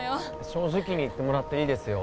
正直に言ってもらっていいですよ